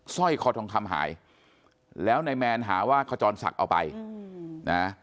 สร้อยคอทองคำหายแล้วนายแมนหาว่าขจรศักดิ์เอาไปนะ